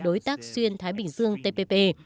đối tác xuyên thái bình dương tpp